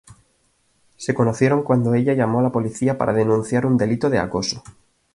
Se conocieron cuando ella llamó a la policía para denunciar un delito de acoso.